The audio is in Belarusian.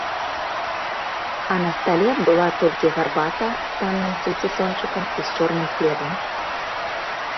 А на стале была толькі гарбата з танным сальцісончыкам і з чорным хлебам.